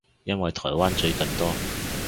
因為台灣最近多